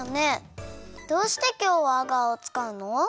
どうしてきょうはアガーをつかうの？